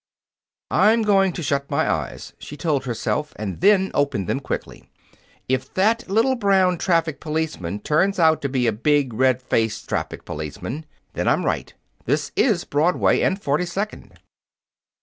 "I'm going to shut my eyes," she told herself, "and then open them quickly. If that little brown traffic policeman turns out to be a big, red faced traffic policeman, then I'm right, and this IS Broadway and Forty second."